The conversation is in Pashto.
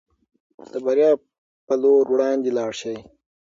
د بریا په لور وړاندې لاړ شئ.